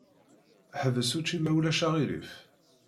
Ḥbes učči ma ulac aɣilif.